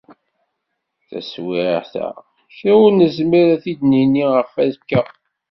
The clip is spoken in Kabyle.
Taswiεt-a kra ur nezmir ad t-id-nini ɣef akka.